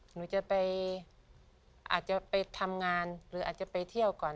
หนูจะไปอาจจะไปทำงานหรืออาจจะไปเที่ยวก่อน